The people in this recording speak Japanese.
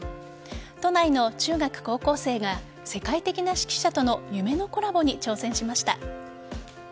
都内の中学・高校生が世界的な指揮者との夢のコラボに挑戦しました。